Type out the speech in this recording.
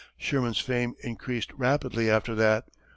Sherman's fame increased rapidly after that.